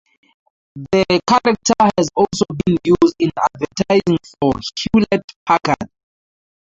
The character has also been used in advertising for Hewlett-Packard.